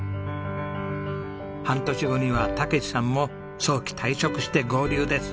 半年後には健さんも早期退職して合流です。